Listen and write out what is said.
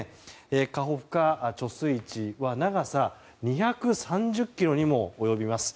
カホフカ貯水池は長さ２３０ｋｍにも及びます。